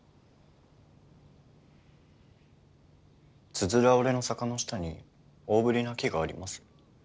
つづら折れの坂の下に大ぶりな木があります。